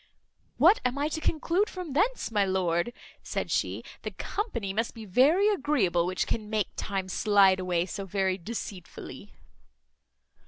"What am I to conclude from thence, my lord?" said she. "The company must be very agreeable which can make time slide away so very deceitfully."